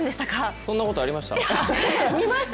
そんなことありました？